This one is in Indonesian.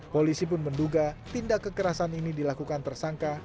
polisi pun menduga tindak kekerasan ini dilakukan tersangka